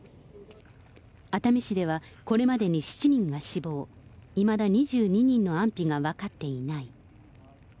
熱海市ではこれまでに７人が死亡、いまだ２２人の安否が分かっていない。